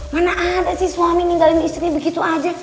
mana ada sih suami ninggalin istri begitu aja